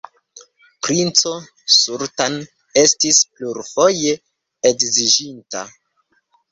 Princo Sultan estis plurfoje edziĝinta.